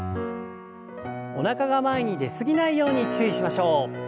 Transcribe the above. おなかが前に出すぎないように注意しましょう。